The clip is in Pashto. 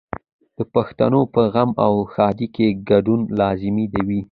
د پښتنو په غم او ښادۍ کې ګډون لازمي وي.